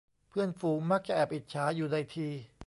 เพื่อนฝูงมักจะแอบอิจฉาอยู่ในที